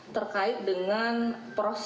terkait dengan penyelidikan takap tangan